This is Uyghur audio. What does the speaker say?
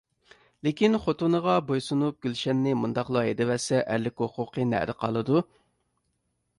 لېكىن خوتۇنىغا بويسۇنۇپ، گۈلشەننى مۇنداقلا ھەيدىۋەتسە ئەرلىك ھوقۇقى نەدە قالىدۇ؟